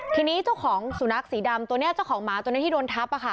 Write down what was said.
ทีนี้เจ้าของสุนัขสีดำตัวนี้เจ้าของหมาตัวนี้ที่โดนทับ